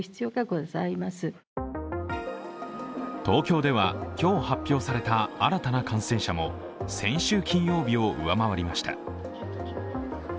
東京では今日、発表された新たな感染者も先週金曜日を上回りました。